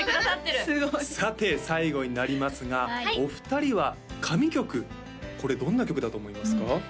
さて最後になりますがお二人は神曲これどんな曲だと思いますか？